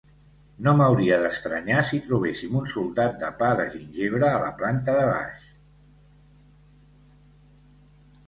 No m'hauria d'estranyar si trobéssim un soldat de pa de gingebre a la planta de baix.